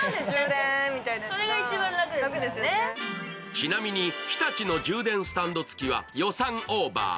ちなみに、日立の充電スタンド付きは予算オーバー。